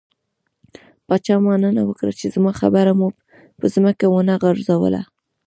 پاچا مننه وکړه، چې زما خبره مو په ځمکه ونه غورځوله.